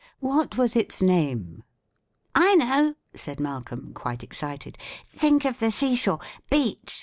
What was its name?" "I know!" said Malcolm, quite excited. "Think of the seashore! Beach!